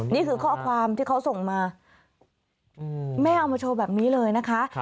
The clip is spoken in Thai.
นี่คือข้อความที่เขาส่งมาแม่เอามาโชว์แบบนี้เลยนะคะ